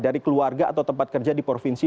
dari keluarga atau tempat kerja di provinsi